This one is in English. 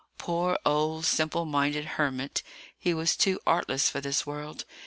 Poor old simple minded hermit, he was too artless for this world!